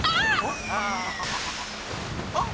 あっ！